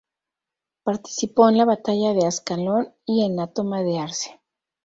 Participó en la batalla de Ascalón y en la toma de Acre.